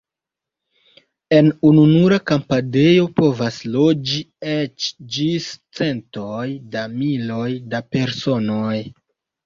En ununura kampadejo povas loĝi eĉ ĝis centoj da miloj da personoj.